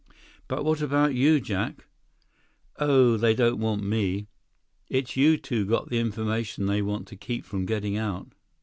"But what about you, Jack?" "Oh, they don't want me. It's you two got the information they want to keep from getting out.